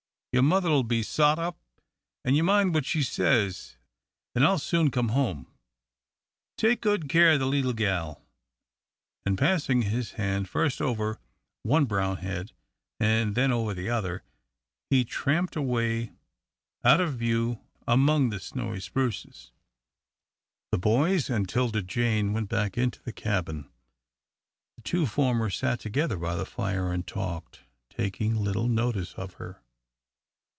Your mother'll be sot up, an' you mind what she says, an' I'll soon come home. Take good care o' the leetle gal," and passing his hand, first over one brown head, then over the other, he tramped away out of view among the snowy spruces. The boys and 'Tilda Jane went back into the cabin. The two former sat together by the fire and talked, taking little notice of her.